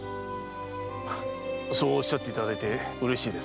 そうおっしゃっていただいて嬉しいです。